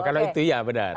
kalau itu iya benar